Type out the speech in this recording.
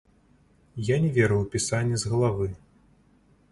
Я не веру ў пісанне з галавы.